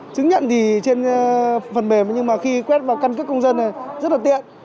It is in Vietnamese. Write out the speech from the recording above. chứng nhận thì trên phần mềm nhưng mà khi quét vào căn cước công dân này rất là tiện